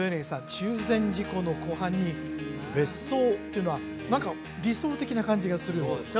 中禅寺湖の湖畔に別荘っていうのは何か理想的な感じがするんですね